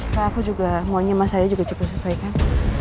karena aku juga maunya mas saya juga cukup selesai kan